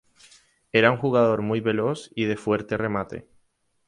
Era un jugador muy veloz y de fuerte remate.